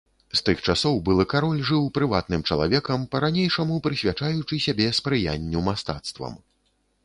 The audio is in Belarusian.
З тых часоў былы кароль жыў прыватным чалавекам, па-ранейшаму прысвячаючы сябе спрыянню мастацтвам.